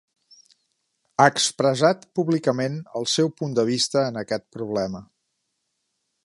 Ha expressat públicament el seu punt de vista en aquest problema.